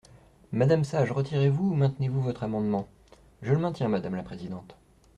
Madame Sage, retirez-vous ou maintenez-vous votre amendement ? Je le maintiens, madame la présidente.